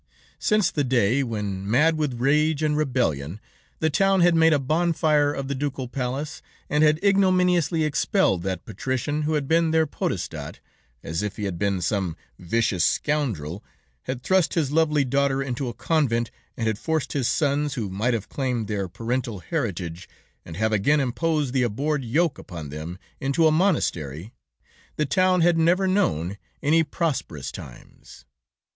"Since the day, when mad with rage and rebellion, the town had made a bonfire of the Ducal palace, and had ignominiously expelled that patrician who had been their podestat, as if he had been some vicious scoundrel, had thrust his lovely daughter into a convent, and had forced his sons, who might have claimed their parental heritage, and have again imposed the abhorred yoke upon them, into a monastery, the town had never known any prosperous times.